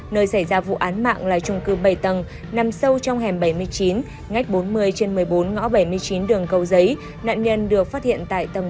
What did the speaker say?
nơi xảy ra vụ án mạng là trung cư bảy tầng nằm sâu trong hẻm bảy mươi chín ngách bốn mươi trên một mươi bốn ngõ bảy mươi chín đường cầu giấy nạn nhân được phát hiện tại tầng một